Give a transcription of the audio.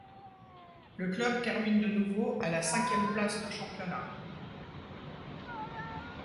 Le club termine de nouveau à la cinquième place de championnat.